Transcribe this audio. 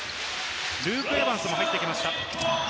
ルーク・エヴァンスも入ってきました。